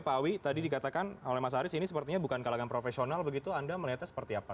pak awi tadi dikatakan oleh mas haris ini sepertinya bukan kalangan profesional begitu anda melihatnya seperti apa